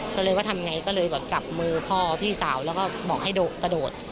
ก็เลยว่าทำไงก็เลยแบบจับมือพ่อพี่สาวแล้วก็บอกให้กระโดด